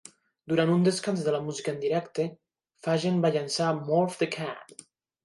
Durant un descans de la música en directa, Fagen va llençar "Morph the Cat".